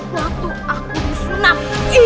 waktu aku disunat